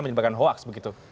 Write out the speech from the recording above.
menyebabkan hoaks begitu